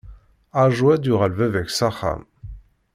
Rju a d-yuɣal baba-k s axxam.